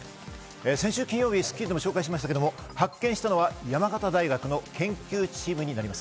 先週金曜日、『スッキリ』でも紹介しましたが、発見したのは山形大学の研究チームです。